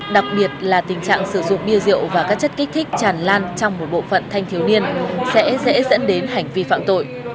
đặc biệt là tình trạng sử dụng bia rượu và các chất kích thích tràn lan trong một bộ phận thanh thiếu niên sẽ dễ dẫn đến hành vi phạm tội